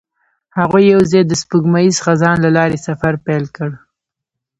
هغوی یوځای د سپوږمیز خزان له لارې سفر پیل کړ.